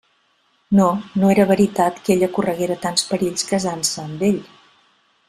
No; no era veritat que ella correguera tants perills casant-se amb ell.